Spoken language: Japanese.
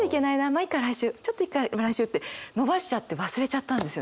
まあいっか来週ちょっといっかまあ来週って延ばしちゃって忘れちゃったんですよね。